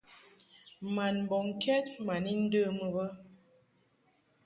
Mad mbɔŋkɛd ma ni ndəmɨ bə.